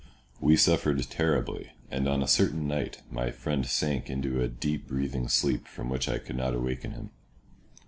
We suffered terribly, and on a certain night my friend sank into a deep breathing sleep from which I could not awaken him.